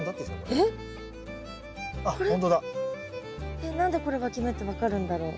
えっ何でこれわき芽って分かるんだろう？